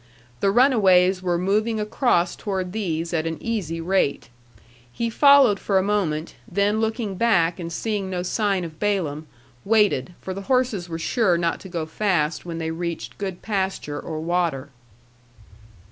The runaways were moving across toward these at an easy rate. He followed for a moment, then looking back, and seeing no sign of Balaam, waited, for the horses were sure not to go fast when they reached good pasture or water.